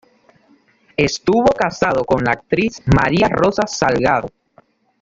Estuvo casado con la actriz María Rosa Salgado.